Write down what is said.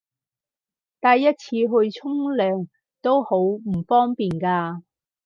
帶一次去沖涼都好唔方便㗎